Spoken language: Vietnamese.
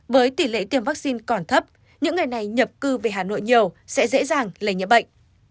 với tỷ lệ tiêm vaccine còn thấp những người này nhập cư về hà nội nhiều sẽ dễ dàng lây nhiễm bệnh